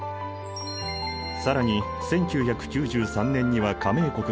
更に１９９３年には加盟国が増え